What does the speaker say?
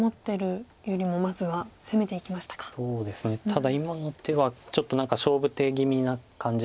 ただ今の手はちょっと何か勝負手気味な感じはします。